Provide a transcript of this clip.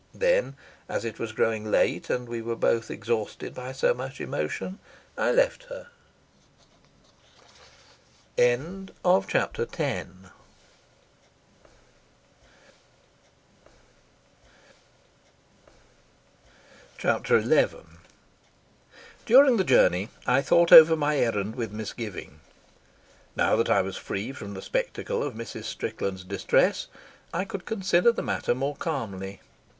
Then, as it was growing late and we were both exhausted by so much emotion, I left her. Chapter XI During the journey I thought over my errand with misgiving. Now that I was free from the spectacle of Mrs. Strickland's distress I could consider the matter more calmly.